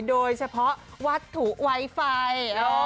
โดยเฉพาะวัตถุไวไฟ